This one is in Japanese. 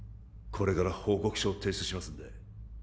これから報告書を提出しますんで